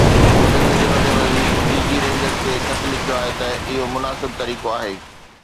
سنڌ جي وڏي وزير ڊي جي رينجرز کي خط لکيو آهي ته اهو مناسب طريقو آهي.